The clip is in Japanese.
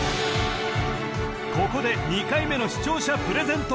ここで２回目の視聴者プレゼント